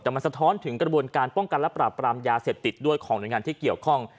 แต่มันสะท้อนถึงกระบวนการป้องกันและปราบปรามยาเสพติดด้วยของหน่วยงานที่เกี่ยวข้อง